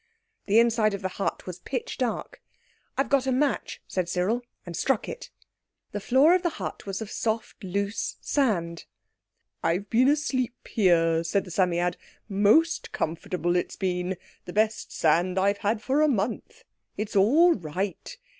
The inside of the hut was pitch dark. "I've got a match," said Cyril, and struck it. The floor of the hut was of soft, loose sand. "I've been asleep here," said the Psammead; "most comfortable it's been, the best sand I've had for a month. It's all right.